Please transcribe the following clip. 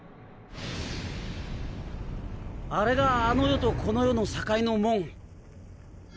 あれがあの世とこの世の境の門。